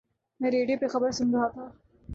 میں ریڈیو پر خبر سن رہا تھا